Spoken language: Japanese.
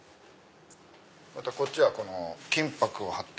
あとこっちは金箔を貼ったり。